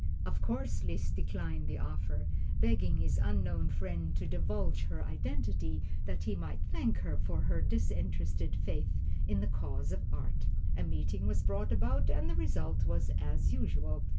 Of course Liszt declined the offer, begging his unknown friend to divulge her identity that he might thank her for her disinterested faith in the cause of Art. A meeting was brought about and the result was as usual.